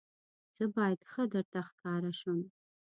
زه باید ښه درته ښکاره شم.